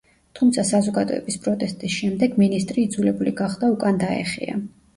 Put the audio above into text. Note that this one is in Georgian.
თუმცა საზოგადოების პროტესტის შემდეგ მინისტრი იძულებული გახდა უკან დაეხია.